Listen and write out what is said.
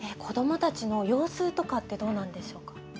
子どもたちの様子とかってどうなんでしょうか？